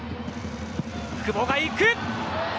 久保がいく。